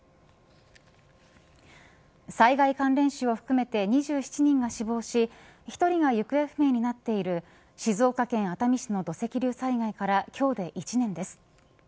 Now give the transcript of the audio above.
災害関連死を含めて２７人が死亡し１人が行方不明になっている静岡県熱海市の土石流災害から今日で１年です。